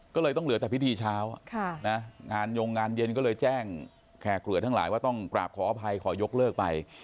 ก็เลยต้องเหลือแต่พิธีเช้างานยงงานเย็นก็เลยแจ้งแคร์เกลือทั้งหลายว่าต้องกราบขออภัยขอยกเลิกไป